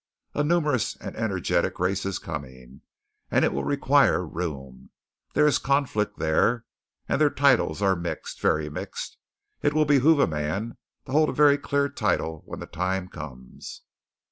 A numerous and energetic race is coming; and it will require room. There is conflict there. And their titles are mixed; very mixed. It will behoove a man to hold a very clear title when the time comes."